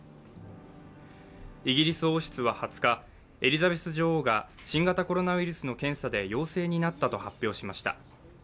イギリス王室は２０日、エリザベス女王が新型コロナウイルスの検査で陽性になったと発表しました。